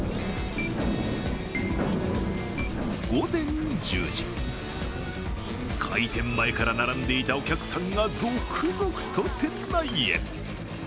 午前１０時、開店前から並んでいたお客さんが続々と店内へ。